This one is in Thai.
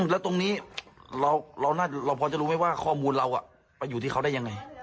แล้วตรงนี้เราพอจะรู้ไหมว่าข้อมูลเราไปอยู่ที่เขาได้ยังไง